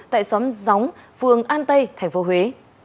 tại xóm gióng phường an tây tp huế